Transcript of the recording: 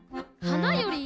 「花より！」